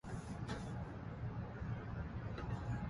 Shooting has become a major sport here.